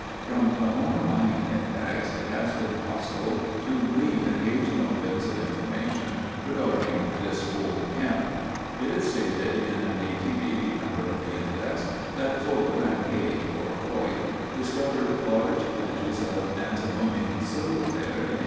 From the Homer Mining Index it has been possible to glean occasional bits of information regarding this old camp. It is stated in an 1880 number of the Index that Fuller and Hayt (or Hoyt) discovered large ledges of antimonial silver there in 1879.